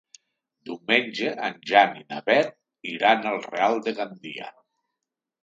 Diumenge en Jan i na Beth iran al Real de Gandia.